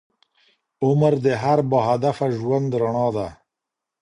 عمر د هر باهدفه ژوند رڼا ده.